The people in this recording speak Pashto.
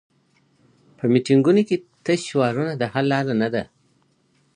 په میټینګونو کي تش شعارونه د حل لاره نه ده.